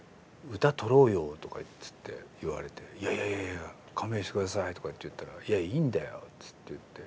「歌録ろうよ」とかつって言われて「いやいやいやいや勘弁して下さい」とかって言ったら「いやいいんだよ」つって言って。